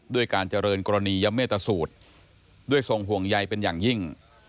ด้วยการเจริญกรณียเมตสูตรด้วยทรงห่วงใยเป็นอย่างยิ่ง